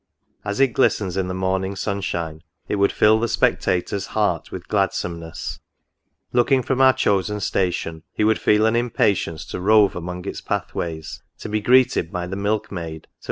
As it glistens in the morning sunshine, it would fill the spectator's heart with gladsomeness. Looking from our chosen station, he would feel an impatience to rove among its pathways, to be greeted by the milk maid, to 46 NOTES.